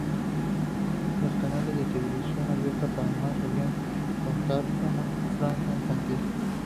Los canales de televisión abierta de Panamá solían contar con una franja infantil.